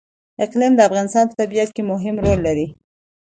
اقلیم د افغانستان په طبیعت کې مهم رول لري.